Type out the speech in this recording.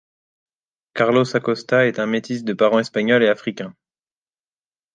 Carlos Acosta est un métis de parents espagnol et africain.